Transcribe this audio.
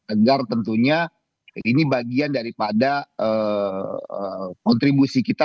agar tentunya ini bagian daripada kontribusi kita